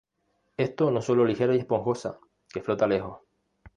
Esto no es sólo ligera y esponjosa, que flota lejos"".